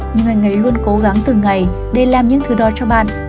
nhưng ngành ấy luôn cố gắng từng ngày để làm những thứ đó cho bạn